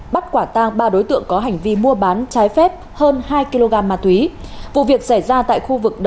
bắt quả tang ba đối tượng có hành vi mua bán trái phép hơn hai kg ma túy vụ việc xảy ra tại khu vực